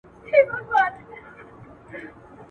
د نوي ډيموکراسۍ په راتګ سياسي ګوندونه پيداسول.